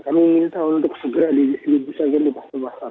kami minta untuk segera di distribusi lagi di pasar pasar